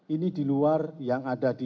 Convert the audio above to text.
ini di luar yang ada di